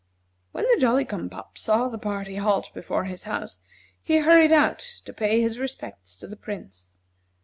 When the Jolly cum pop saw the party halt before his house, he hurried out to pay his respects to the Prince.